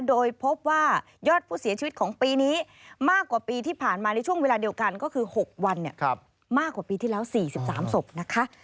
โดยพบว่ายอดผู้เสียชีวิตของปีนี้มากกว่าปีที่ผ่านมาในช่วงเวลาเดียวกันก็คือ๖วันมากกว่าปีที่แล้ว๔๓ศพนะคะ